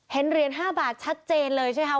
เห็นเหรียญ๕บาทชัดเจนเลยใช่ไหมค่ะ